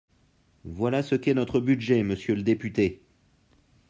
Voilà ce qu’est notre budget, monsieur le député.